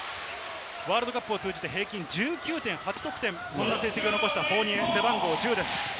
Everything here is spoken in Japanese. ワールドカップを通じて平均１９．８得点、そんな成績を残したフォーニエ、背番号１０です。